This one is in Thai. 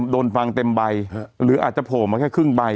โดนฟังเต็มใบหรืออาจจะโผล่มาแค่ครึ่งใบ